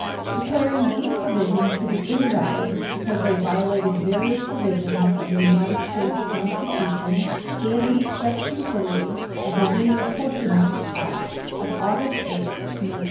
§ 400, declaring these provisions to be invalid because they violated various provisions of the United States Constitution and § 3 of the Reapportionment Act of August 8, 1911, 37 Stat.